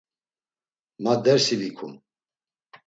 Ma dersi vikum.